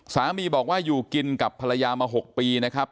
สามีบอกว่าอยู่กินกับภรรยามา๖ปีนะครับ